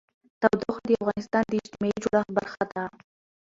تودوخه د افغانستان د اجتماعي جوړښت برخه ده.